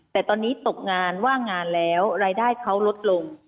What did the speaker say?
แต่ตอนนี้ตกงานว่างงานแล้วรายได้เขาลดลง